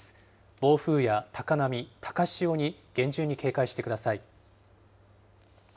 暴風や高波、高潮に厳重に警戒してください。